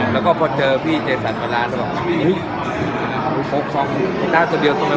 ถ้าเจอพี่เจสัตลาสบังคิดว่า